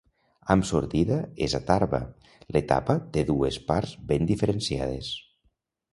Amb sortida és a Tarba, l'etapa té dues parts ben diferenciades.